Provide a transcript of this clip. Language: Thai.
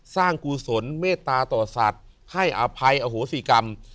กุศลเมตตาต่อสัตว์ให้อภัยอโหสิกรรม